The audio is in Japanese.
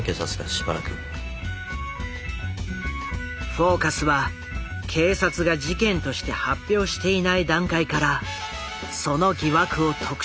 「フォーカス」は警察が事件として発表していない段階からその疑惑を特集。